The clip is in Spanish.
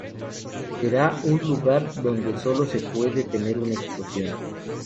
Será un lugar donde sólo se puede tener una explosión.